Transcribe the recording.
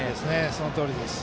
そのとおりです。